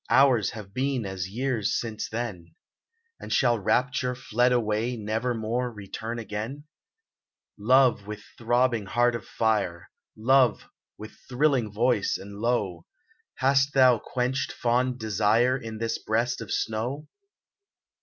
Hours have been as years since then ! And shall rapture, fled away. Never more return again ? 120 ADONIS Love, with throbbing heart of fire, — Love, with thrilling voice and low, — Hast thou quenched fond desire In this breast of snow